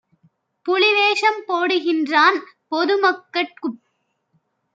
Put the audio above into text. புலிவேஷம் போடுகின்றான்! பொதுமக் கட்குப்